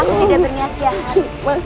aku tidak berniat jahat